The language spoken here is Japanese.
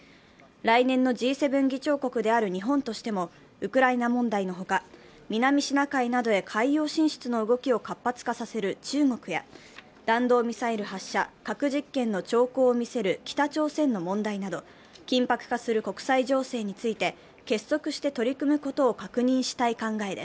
来年のＧ７議長国である日本としても、ウクライナ問題のほか、南シナ海などへ海洋進出の動きを活発化させる中国や弾道ミサイル発射、核実験の兆候を見せる北朝鮮の問題など緊迫化する国際情勢について、